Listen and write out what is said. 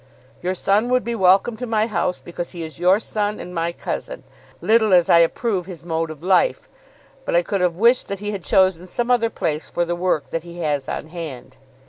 Your son would be welcome to my house, because he is your son and my cousin, little as I approve his mode of life; but I could have wished that he had chosen some other place for the work that he has on hand."